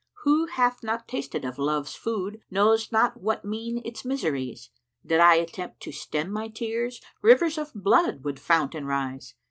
Who hath not tasted of Love's food * Knows not what mean its miseries. Did I attempt to stem my tears * Rivers of blood would fount and rise.